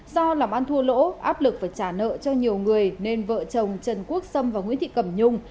do làm ăn thua lỗ áp lực và trả nợ cho nhiều người nên vợ chồng trần quốc sâm và nguyễn thị cẩm nhung